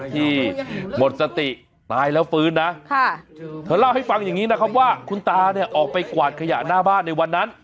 ที่หมดสติตายแล้วฟื้นนะเธอเล่าให้ฟังอย่างนี้นะครับว่าคุณตาเนี่ยออกไปกวาดขยะหน้าบ้านในวันนั้น